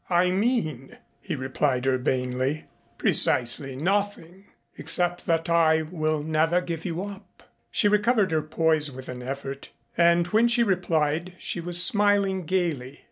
"I mean," he replied urbanely, "precisely nothing except that I will never give you up." She recovered her poise with an effort, and when she replied she was smiling gayly.